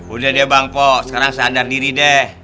udah deh bang po sekarang sadar diri deh